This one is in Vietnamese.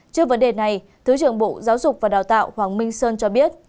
trước vấn đề này thứ trưởng bộ giáo dục và đào tạo hoàng minh sơn cho biết